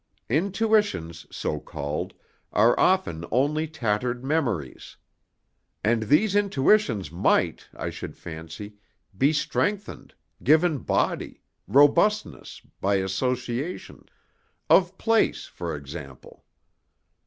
Intuitions, so called, are often only tattered memories. And these intuitions might, I should fancy, be strengthened, given body, robustness, by associations of place, for example.